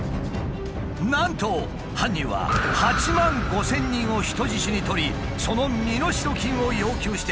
なんと犯人は８万５千人を人質に取りその身代金を要求してきたというのだ。